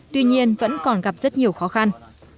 tuy nhiên vẫn còn gặp rất nhiều khó khăn